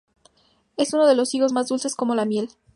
Es uno de los higos más dulces; como la miel.